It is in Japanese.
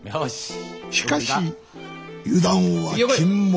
しかし油断は禁物。